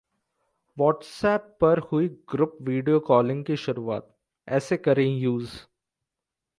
WhatsApp पर हुई group video calling की शुरुआत, ऐसे करें यूज